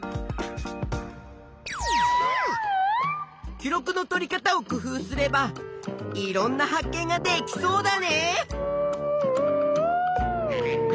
記録のとり方を工夫すればいろんな発見ができそうだね！